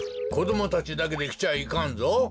こどもたちだけできちゃいかんぞ。